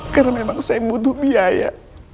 karena memang saya butuh biaya